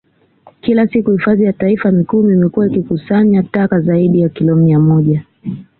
Kila siku Hifadhi ya Taifa Mikumi imekuwa ikikusanya taka zaidi ya kilo mia moja